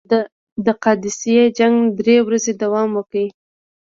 د قادسیې جنګ درې ورځې دوام وکړ.